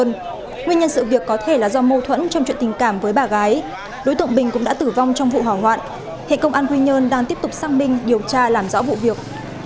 nguyên nhân sự việc có thể là do mâu thuẫn trong chuyện tình cảm với bà gái đối tượng bình cũng đã tử vong trong vụ hỏa hoạn hiện công an quy nhơn đang tiếp tục xác minh điều tra làm rõ vụ việc